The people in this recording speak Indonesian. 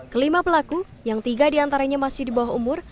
kelima pelaku yang tiga diantaranya masih di bawah umur